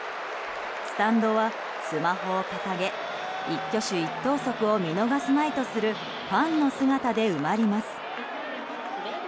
スタンドは、スマホを掲げ一挙手一投足を見逃すまいとするファンの姿で埋まります。